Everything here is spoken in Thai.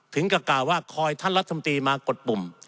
ถึงกับกล่าวว่าคอยท่านรัฐมนตรีมากดปุ่ม